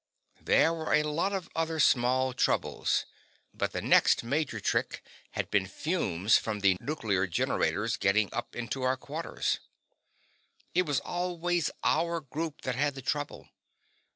There were a lot of other small troubles, but the next major trick had been fumes from the nuclear generators getting up into our quarters it was always our group that had the trouble.